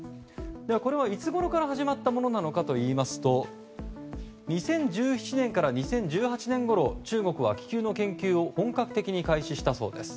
これは、いつごろから始まったものなのかといいますと２０１７年から２０１８年ごろ中国は気球の研究を本格的に開始したそうです。